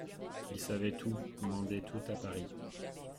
Il savait tout, mandait tout à Paris.